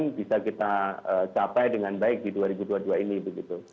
yang bisa kita capai dengan baik di dua ribu dua puluh dua ini begitu